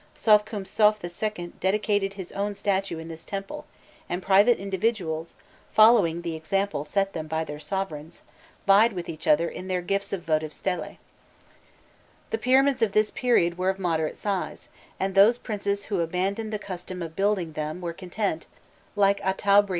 Sovkûmsaûf II. dedicated his own statue in this temple, and private individuals, following the example set them by their sovereigns, vied with each other in their gifts of votive stehe. The pyramids of this period were of moderate size, and those princes who abandoned the custom of building them were content like Aûtûabrî I.